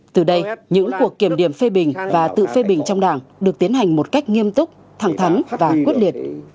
từ đây những cuộc kiểm điểm phê bình và tự phê bình trong đảng được tiến hành một cách nghiêm túc thẳng thắn và quyết liệt